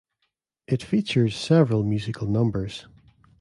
It features several musical numbers.